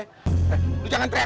eh lo jangan teriak lo